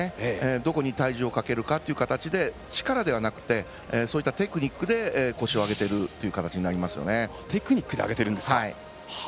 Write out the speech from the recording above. どこに体重をかけるかという形で力ではなくてそういったテクニックで腰を上げている形になりますね。